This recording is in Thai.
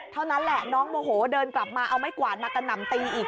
เท่านั้นแหละน้องโมโหเดินกลับมาเอาไม้กวาดมากระหน่ำตีอีก